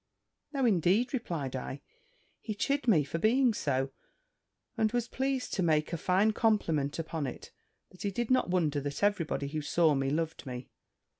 "No, indeed," replied I: "he chid me for being so; and was pleased to make me a fine compliment upon it; that he did not wonder that every body who saw me loved me.